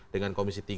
dengan komisi tiga